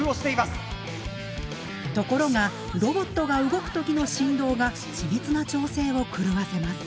ところがロボットが動く時の振動が緻密な調整を狂わせます。